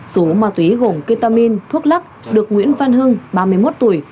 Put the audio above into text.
số ma túy gồm ketamin thuốc lắc được nguyễn văn hưng ba mươi một tuổi